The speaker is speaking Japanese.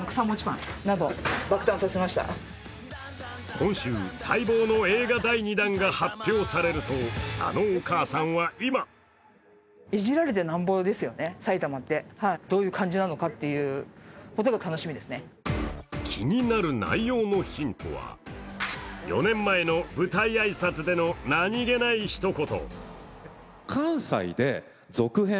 今週、待望の映画第２弾が発表されるとあのお母さんは今気になる内容のヒントは４年前の舞台挨拶での何気ないひと言。